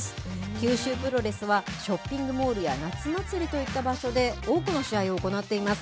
九州プロレスは、ショッピングモールや夏祭りといった場所で、多くの試合を行っています。